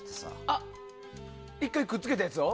あ、１回くっつけたやつを。